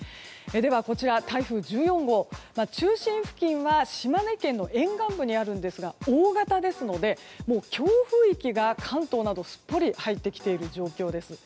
では、台風１４号中心付近は島根県の沿岸部にあるんですが大型ですので強風域が関東などにすっぽりと入ってきている状況です。